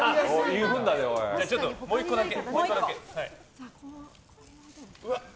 もう１個だけ。